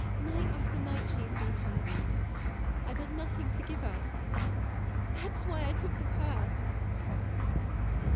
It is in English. Night after night she has been hungry, and I've had nothing to give her. That's why I took the purse.